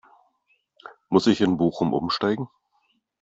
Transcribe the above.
Muss ich in Bochum Umsteigen?